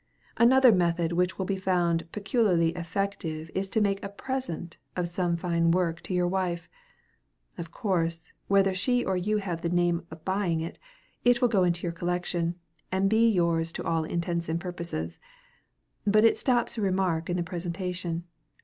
Another method which will be found peculiarly effective is to make a present of some fine work to your wife. Of course, whether she or you have the name of buying it, it will go into your collection, and be yours to all intents and purposes. But it stops remark in the presentation.